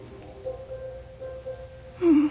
うん。